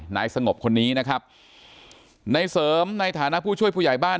นายสงบคนนี้นะครับในเสริมในฐานะผู้ช่วยผู้ใหญ่บ้าน